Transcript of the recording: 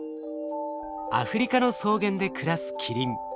アフリカの草原で暮らすキリン。